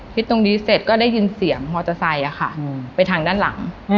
ตรงนี้เสร็จก็ได้ยินเสียงมอเตอร์ไซค์ไปทางด้านหลัง